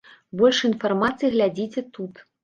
Больш інфармацыі глядзіце тут.